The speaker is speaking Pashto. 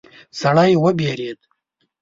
سړی وویرید.